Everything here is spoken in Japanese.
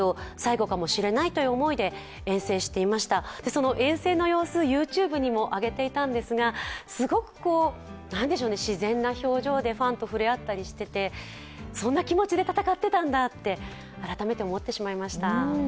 その遠征の様子、ＹｏｕＴｕｂｅにもあげていたんですがすごく自然な表情でファンと触れ合ったりしていて、そんな気持ちで戦ってたんだって改めて思ってしまいました。